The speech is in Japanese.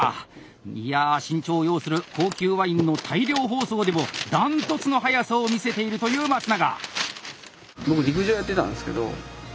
いや慎重を要する高級ワインの大量包装でもダントツの速さを見せているという松永！